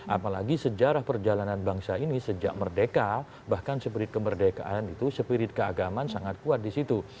apalagi sejarah perjalanan bangsa ini sejak merdeka bahkan spirit kemerdekaan itu spirit keagaman sangat kuat di situ